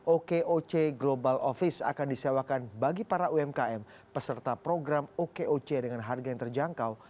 okoc global office akan disewakan bagi para umkm peserta program okoc dengan harga yang terjangkau